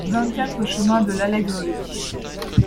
vingt-quatre chemin de l'Allegrerie